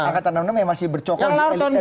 angkatan enam puluh enam yang masih bercokong